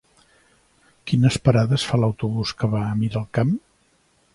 Quines parades fa l'autobús que va a Miralcamp?